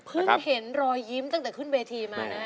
เห็นรอยยิ้มตั้งแต่ขึ้นเวทีมานะ